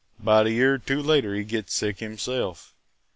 "'Bout a year or two later he gets sick himself.